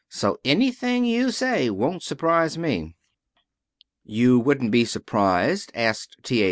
So anything you say won't surprise me." "You wouldn't be surprised," asked T. A.